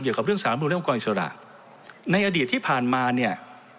เกี่ยวกับเรื่องสามนุนและองค์กรอิสระในอดีตที่ผ่านมาเนี่ย